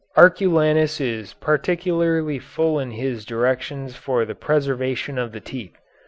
Arculanus is particularly full in his directions for the preservation of the teeth.